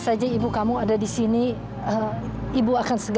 sampai jumpa di video selanjutnya